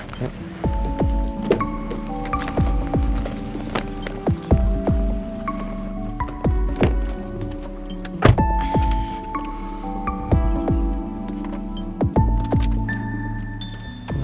hubungan dari siapa